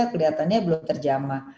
kelihatannya belum terjamah